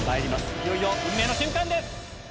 いよいよ運命の瞬間です！